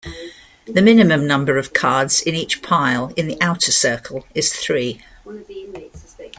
The minimum number of cards in each pile in the outer circle is three.